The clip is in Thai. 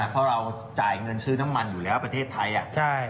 เพราะเราจ่ายเงินซื้อน้ำมันอยู่แล้วประเทศไทย